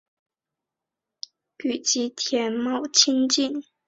与吉田茂亲近。